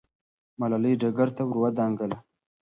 ملالۍ ډګر ته ور دانګله.